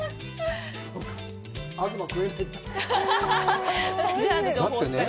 東、食えないんだ。